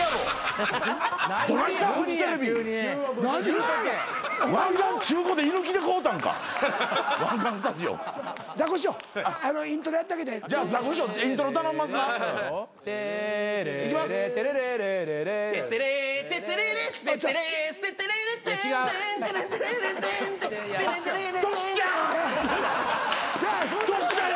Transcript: あトシちゃん！